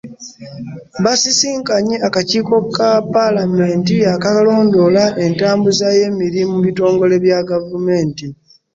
Basisinkanye akakiiko ka Paalamenti akalondoola entambuza y'emirimu mu bitongole bya gavumenti